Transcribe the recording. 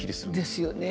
ですよね。